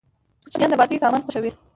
کوچنيان د بازيو سامان خوښيي.